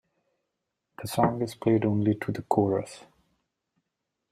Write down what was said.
The song is played only to the chorus.